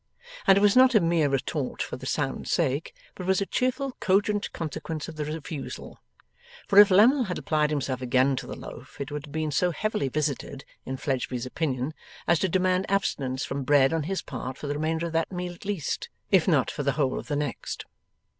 And it was not a mere retort for the sound's sake, but was a cheerful cogent consequence of the refusal; for if Lammle had applied himself again to the loaf, it would have been so heavily visited, in Fledgeby's opinion, as to demand abstinence from bread, on his part, for the remainder of that meal at least, if not for the whole of the next.